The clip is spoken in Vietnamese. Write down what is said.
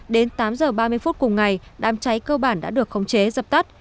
đến tám h ba mươi phút cùng ngày đám cháy cơ bản đã được khống chế dập tắt